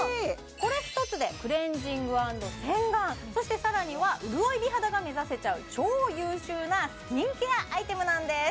これ１つでクレンジング＆洗顔そしてさらには潤い美肌が目指せちゃう超優秀なスキンケアアイテムなんです